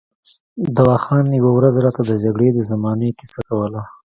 دوا خان یوه ورځ راته د جګړې د زمانې کیسه کوله.